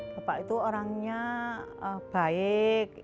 bapak itu orangnya baik